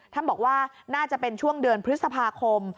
ท่านบอกว่าน่าจะเป็นช่วงเดือนพฤษภาคม